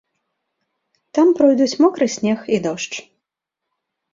Там пройдуць мокры снег і дождж.